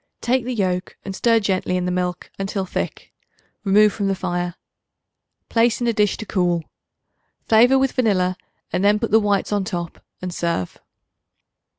Take the yolk, and stir gently in the milk until thick. Remove from the fire. Place in a dish to cool. Flavor with vanilla and then put the whites on top and serve.